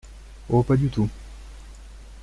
Oh ! pas du tout !